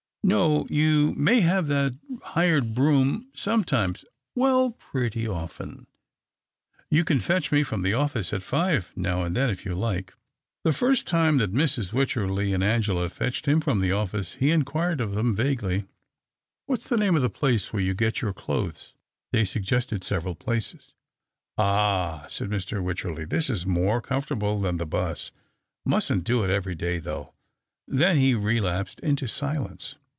No ; you may have that hired brougham sometimes — well, pretty often. You can fetch me from the office at five, now and then, if you like." The first time that Mrs. Wycherley and THE OCTAVE OF CLAUDIUS. 187 Angela fetched him from the office, he in quired of them vaguely —" What's the name of the place where you get your clothes ?" They suggested several places. " Ah !" said Mr. Wycherley. " This is more comfortable than the 'bus. Mustn't do it every day though." Then he relapsed into silence.